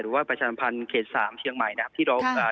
หรือว่าประชาสัมพันธ์เขต๓เชียงใหม่นะครับ